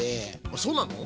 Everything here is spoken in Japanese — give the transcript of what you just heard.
あそうなの⁉